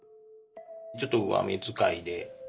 ちょっと上目づかいで。